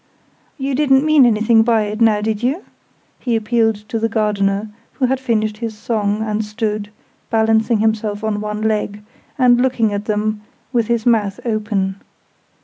"You didn't mean anything by it, now did you?" He appealed to the Gardener, who had finished his song, and stood, balancing himself on one leg, and looking at them, with his mouth open.